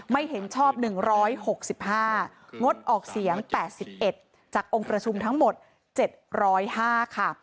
ไม่เห็นชอบ๑๖๕งดออกเสียง๘๑จากองค์ประชุมทั้งหมด๗๐๕ค่ะ